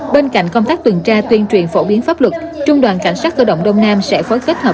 bên cạnh công tác tuần tra tuyên truyền phổ biến pháp luật trung đoàn cảnh sát cơ động đông nam sẽ phối kết hợp